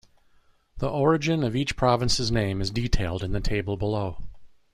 The origin of each province's name is detailed in the table below.